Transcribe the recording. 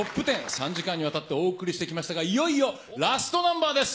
３時間にわたってお送りしてきましたが、いよいよラストナンバーです。